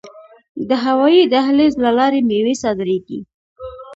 د هوایی دهلیز له لارې میوې صادریږي.